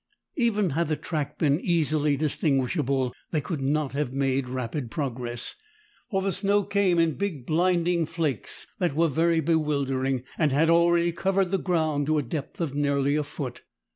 Even had the track been easily distinguishable, they could not have made rapid progress, for the snow came in big, blinding flakes that were very bewildering, and had already covered the ground to a depth of nearly a foot.